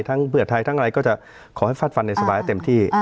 เผื่อไทยทั้งอะไรก็จะขอให้ฟาดฟันในสบายเต็มที่